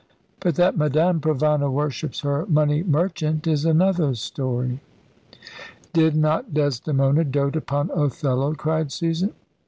But that Madame Provana worships her money merchant is another story." "Did not Desdemona dote upon Othello?" cried Susan.